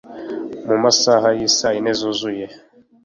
mumasaha yisayine zuzuye